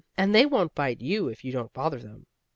And they won't bite you if you don't bother them.